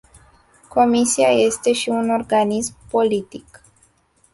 Comisia este și un organism politic.